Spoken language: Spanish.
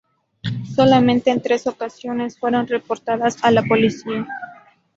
Solamente en tres ocasiones fueron reportadas a la policía.